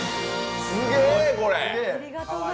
すげぇ、これ。